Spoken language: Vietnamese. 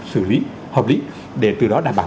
xử lý hợp lý để từ đó đảm bảo